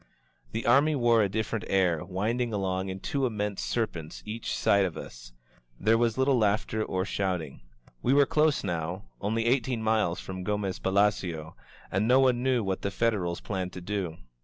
The army wore a different air, winding along in two immense serpents each side of us — ^there was little laughter or shouting. We were close now, only eighteen miles from Gomez Palacio, and no one knew what the Federals planned to do.